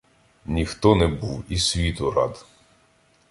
Ніхто не був і світу рад.